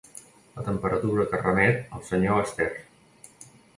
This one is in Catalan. La temperatura que remet al senyor Astaire.